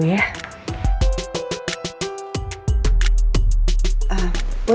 saya angkat telpon dulu ya